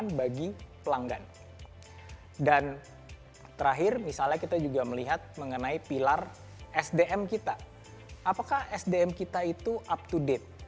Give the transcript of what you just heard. yang bagi pelanggan dan terakhir misalnya kita juga melihat mengenai pilar sdm kita apakah sdm kita itu up to date